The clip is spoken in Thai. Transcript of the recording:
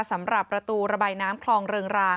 สำหรับประตูระบายน้ำคลองเริงราง